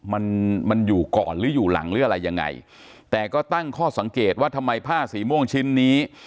มันมันอยู่ก่อนหรืออยู่หลังหรืออะไรยังไงแต่ก็ตั้งข้อสังเกตว่าทำไมผ้าสีม่วงชิ้นนี้